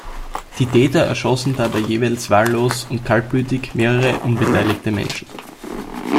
Die Täter erschossen dabei jeweils wahllos und kaltblütig mehrere unbeteiligte Menschen.